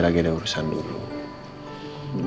j disagreement sebagai pangkat tua ini